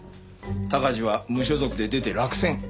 鷹児は無所属で出て落選。